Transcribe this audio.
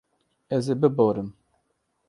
Ez ê biborim.